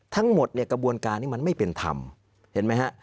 ทั้งหมดเนี่ยกระบวนการนี้มันไม่เป็นธรรมเห็นไหมฮะ